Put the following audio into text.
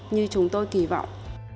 như chúng tôi kỳ vọng